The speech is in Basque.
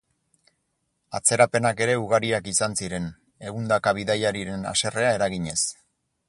Atzerapenak ere ugariak izan ziren, ehundaka bidaiariren haserrea eraginez.